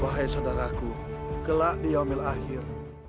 wahai saudaraku gelak di omel akhir